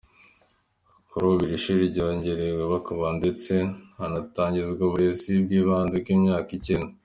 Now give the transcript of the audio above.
Kuri ubu iri shuri ryarongeye kubakwa ndetse hanatangizwa uburezi bw’ibanze bw’imyaka icyenda.